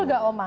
betul gak umar